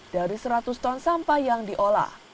dari seratus ton sampah yang diolah